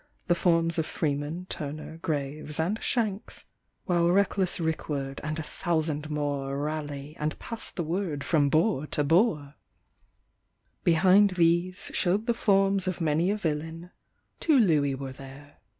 The forms of Freeman, Turner, Graves and Shanks, While reckless Rick ward, and a thousand more, Rally, and pass the word from bore to bore ! Behind these, showed the forms of many a villain, Two Louis were there.